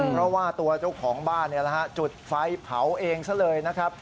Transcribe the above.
เพราะว่าตัวเจ้าของบ้านจุดไฟเผาเองซะเลยนะครับ